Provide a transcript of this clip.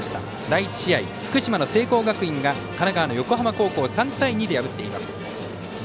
第１試合、福島の聖光学院が神奈川の横浜高校を３対２で破っています。